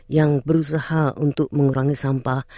yang berusaha untuk mengurangi sampah